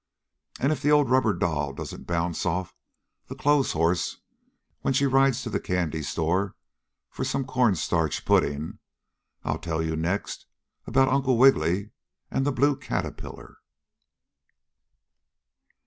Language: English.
And if the rubber doll doesn't bounce off the clothes horse when she rides to the candy store for some cornstarch pudding, I'll tell you next about Uncle Wiggily and the blue caterpillar.